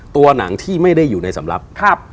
ตัวหนังที่ไม่ได้อยู่ในสำรับ